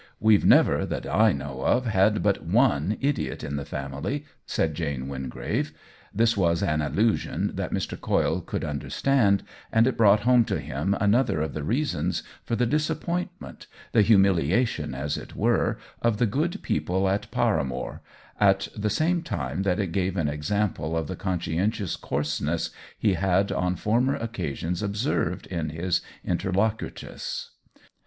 We've never, that I know of, had but one idiot in the family !" said Jane Wingrave. This was an allusion that Mr. Coyle could understand, and it brought home to him another of the reasons for the disappointment, the humiliation as it were, of the good people at Paramore, at the same time that it gave an example of the conscien tious coarseness he had on former occasions observed in his interlocutress.